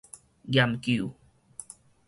嚴究